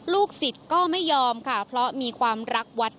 ลูกศิษย์ก็ไม่ยอมค่ะเพราะมีความรักวัด